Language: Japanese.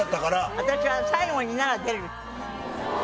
私は最後になら出るって。